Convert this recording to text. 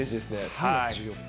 ３月１４日。